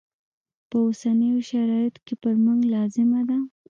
په اوسنیو شرایطو کې پر موږ لازمه ده.